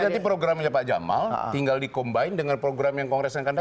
jadi nanti programnya pak jamal tinggal di combine dengan program yang kongres yang kan ada